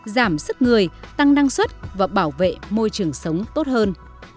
giảm sức người tăng năng suất và bảo vệ môi trường sống tốt hơn